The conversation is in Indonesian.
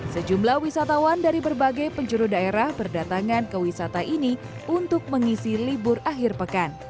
sejumlah wisatawan dari berbagai penjuru daerah berdatangan ke wisata ini untuk mengisi libur akhir pekan